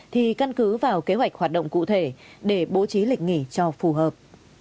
thì căn cứ vào kế hoạch hoạt động cụ thể để bố trí lịch nghỉ cho phù hợp